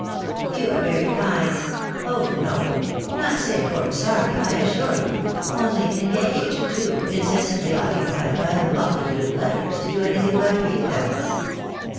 " You are very kind ! Oh no ! Not sick, or sorry, I assure you ; only engaged, too incessantly occupied by a multitude of letters, to do anything but read them."